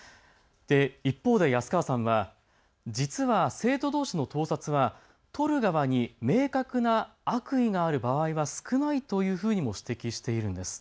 一方で安川さんは実は生徒どうしの盗撮は撮る側に明確な悪意がある場合は少ないというふうにも指摘しているんです。